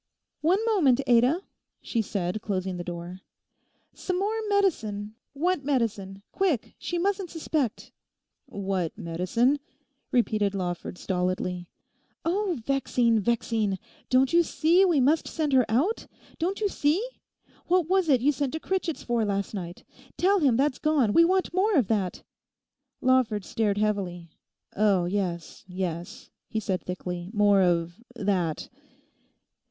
'One moment, Ada,' she said closing the door. 'Some more medicine—what medicine? Quick! She mustn't suspect.' '"What medicine?"' repeated Lawford stolidly. 'Oh, vexing, vexing; don't you see we must send her out? Don't you see? What was it you sent to Critchett's for last night? Tell him that's gone: we want more of that.' Lawford stared heavily. Oh, yes, yes,' he said thickly, 'more of that....